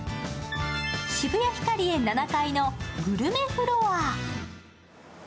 ヒカリエ７階のグルメフロア。